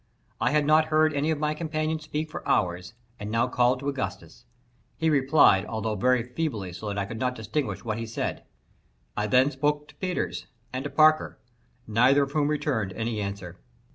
I had not heard any of my companions speak for hours, and now called to Augustus. He replied, although very feebly, so that I could not distinguish what he said. I then spoke to Peters and to Parker, neither of whom returned any answer.